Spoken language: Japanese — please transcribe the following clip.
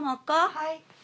はい。